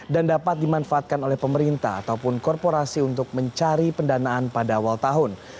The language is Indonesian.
dan dapat dimanfaatkan oleh pemerintah ataupun korporasi untuk mencari pendanaan pada awal tahun